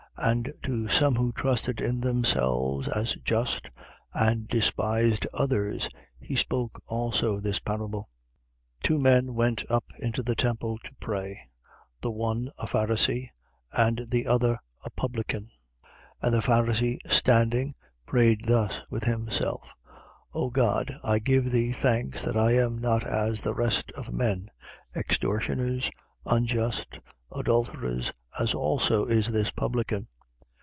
18:9. And to some who trusted in themselves as just and despised others, he spoke also this parable: 18:10. Two men went up into the temple to pray: the one a Pharisee and the other a publican. 18:11. The Pharisee standing, prayed thus with himself: O God, I give thee thanks that I am not as the rest of men, extortioners, unjust, adulterers, as also is this publican.